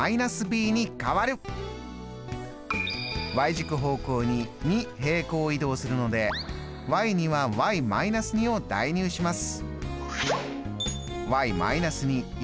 軸方向に２平行移動するのでには−２を代入します。